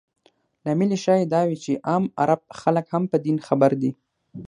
لامل یې ښایي دا وي چې عام عرب خلک هم په دین خبر دي.